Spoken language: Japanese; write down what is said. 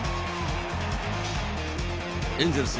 エンゼルス